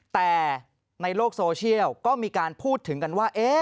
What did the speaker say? แต่ในโลกโซเชียลก็มีการพูดถึงกันว่า